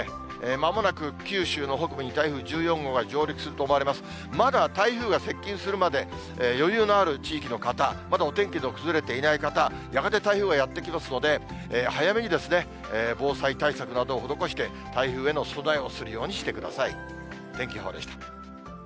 まだ台風が接近するまで余裕のある地域の方、まだお天気の崩れていない方、やがて台風がやって来ますので、早めに防災対策などを施して、台風への備えをするようにしてください。